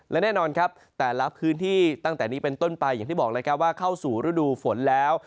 และแน่นอนครับแต่ละพื้นที่ตั้งแต่นี้เป็นต้นไปอย่างที่บอกเลยครับว่าเข้าสู่ฤดูฝนแล้ว